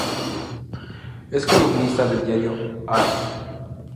Es columnista del diario Ara.